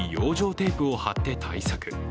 テープを貼って対策。